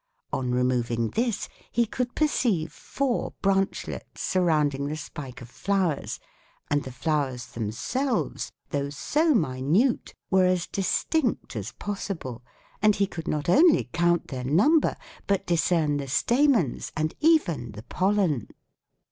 On removing this he could perceive four branchlets surrounding the spike of flowers, and the flowers themselves, though so minute, were as distinct as possible, and he could not only count their number, but discern the stamens, and even the pollen."